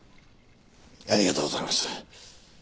ありがとうございます。